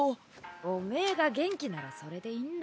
オメエが元気ならそれでいいんだ。